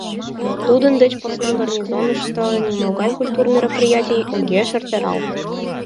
Тудын деч посна гарнизонышто нимогай культур мероприятий огеш эртаралт.